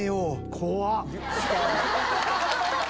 怖っ。